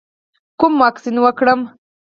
کوم واکسین وکړم؟